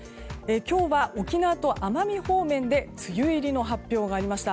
今日は沖縄と奄美方面で梅雨入りの発表がありました。